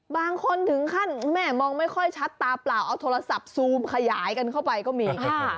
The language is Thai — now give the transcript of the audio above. บางคนถึงขั้นแม่มองไม่ค่อยชัดตาเปล่าเอาโทรศัพท์ซูมขยายกันเข้าไปก็มี